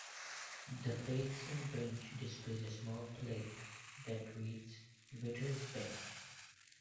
The facing bench displays a small plaque that reads, Whittier's Bench.